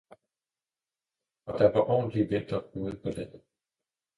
Og der var ordentlig vinter ude på landet.